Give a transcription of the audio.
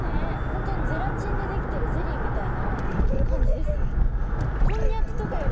本当にゼラチンで出来てるゼリーみたいな感じです。